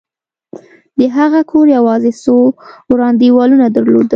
د هغه کور یوازې څو وران دېوالونه درلودل